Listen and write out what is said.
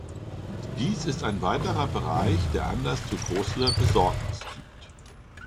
Dies ist ein weiterer Bereich, der Anlass zu großer Besorgnis gibt.